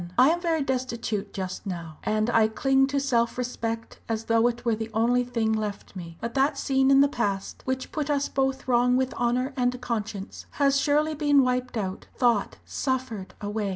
I am very destitute just now and I cling to self respect as though it were the only thing left me. But that scene in the past, which put us both wrong with honour and conscience, has surely been wiped out thought suffered away.